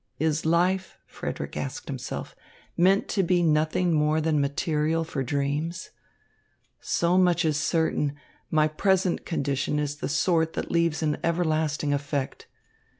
"Is life," Frederick asked himself, "meant to be nothing more than material for dreams? So much is certain, my present condition is the sort that leaves an everlasting effect.